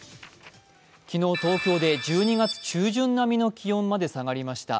昨日、東京で１２月中旬並みの気温まで下がりました。